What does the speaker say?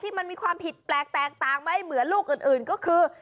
มันมีความผิดแปลกแตกต่างไม่เหมือนลูกอื่นก็คือ